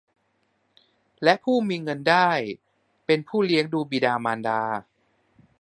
และผู้มีเงินได้เป็นผู้เลี้ยงดูบิดามารดา